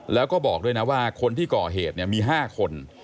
แล้วก็บอกด้วยนะว่าคนที่ก่อเหตุมี๕คน